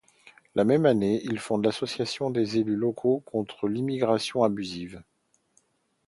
La même année, il fonde l'Association des élus locaux contre l'immigration abusive.